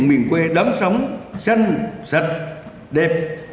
miền quê đáng sống xanh sạch đẹp